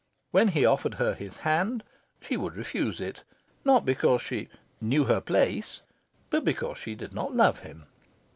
When he offered her his hand, she would refuse it not because she "knew her place," but because she did not love him.